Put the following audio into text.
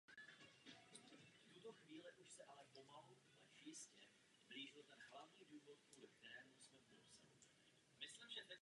Většina obyvatel pracuje v okolních obcích.